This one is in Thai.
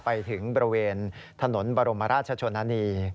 ไปถึงบริเวณถนนบรมราชชนนานี